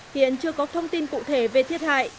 hiện chưa có thông tin cụ thể về thiệt hại